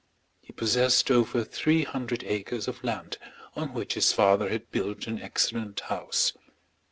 He possessed over three hundred acres of land, on which his father had built an excellent house.